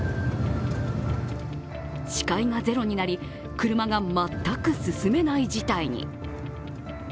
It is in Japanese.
視界がゼロになり、車が全く進めない事態に。